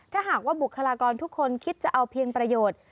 ถ้าหากว่าบุคลากรทุกคนคิดจะเอาเพียงประโยชน์